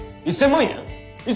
１，０００万円！？